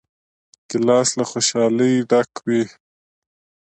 ګیلاس له خوشحالۍ ډک وي.